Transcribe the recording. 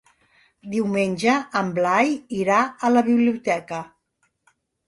Diumenge en Blai irà a la biblioteca.